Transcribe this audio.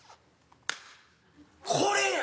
これや。